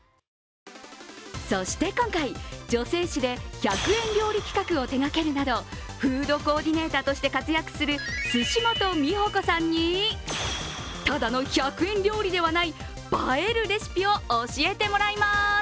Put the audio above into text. そして今回、女性誌で、１００円料理企画を手がけるなどフードコーディネーターとして活躍する鮓本美保子さんに、ただの１００円料理ではない映えるレシピを教えていただきます。